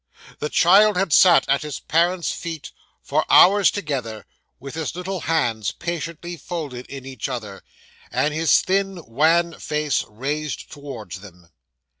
The child had sat at his parents' feet for hours together, with his little hands patiently folded in each other, and his thin wan face raised towards them.